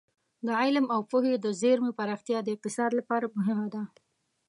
د علم او پوهې د زېرمې پراختیا د اقتصاد لپاره مهمه ده.